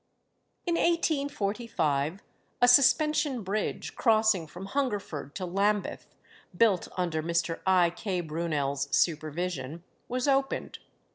In 1845 a suspension bridge, crossing from Hungerford to Lambeth (built under Mr. I. K. Brunel's supervision), was opened.